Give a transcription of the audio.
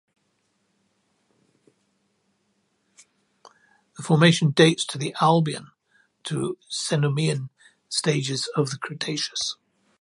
The formation dates to the Albian to Cenomanian stages of the Cretaceous.